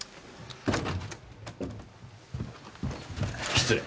失礼。